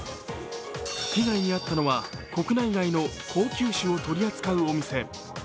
被害に遭ったのは、国内外の高級酒を取り扱うお店。